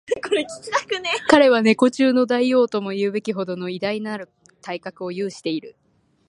彼は猫中の大王とも云うべきほどの偉大なる体格を有している